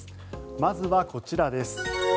まずはこちらです。